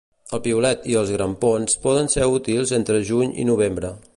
El piolet i els grampons poden ser útils entre juny i novembre.